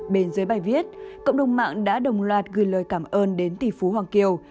trong bài viết cộng đồng mạng đã đồng loạt gửi lời cảm ơn đến tỷ phú hoàng kiều